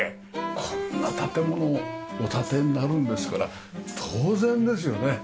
こんな建物お建てになるんですから当然ですよね。